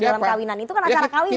dalam kawinan itu kan acara kawin